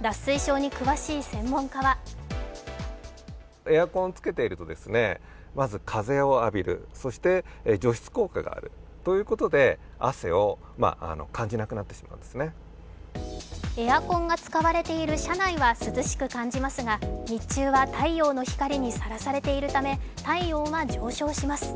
脱水症に詳しい専門家はエアコンが使われている車内は涼しく感じますが日中は太陽の光にさらされているため、体温は上昇します。